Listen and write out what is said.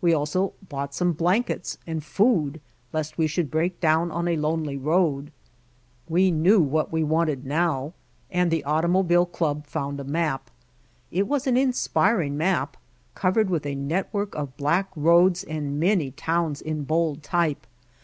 We also bought some blankets and food lest we should break down on a lonely road. We knew what we wanted now and the Automobile Club found a map. It was an in White Heart of Mojave spiring map covered with a network of black roads and many towns in bold type.